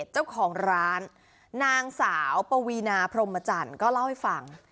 เจ้าของร้านนางสาวปวีนาพรมจันทร์ก็เล่าให้ฟัง